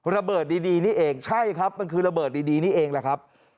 ระเบิดดีนี่เองใช่ครับมันคือระเบิดดีนี่เองแหละครับ